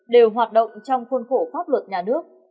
đều hoạt động trong khuôn khổ pháp luật nhà nước